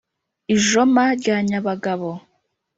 i joma rya nyabagabo.